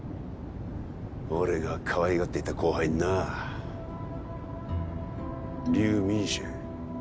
俺がかわいがっていた後輩になリュウ・ミンシュエン